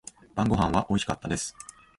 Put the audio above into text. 晩御飯は美味しかったです。